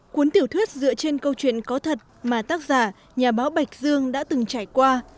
cuốn tiểu thuyết dựa trên câu chuyện có thật mà tác giả nhà báo bạch dương đã từng trải qua